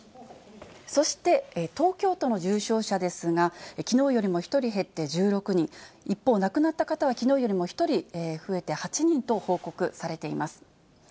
そして東京都の重症者ですが、きのうよりも１人減って１６人、一方、亡くなった方はきのうよりも１人増えて８人と報告されています。